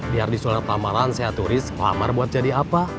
biar di surat lamaran saya tulis kohamar buat jadi apa